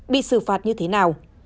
bị xử phạt như thế nào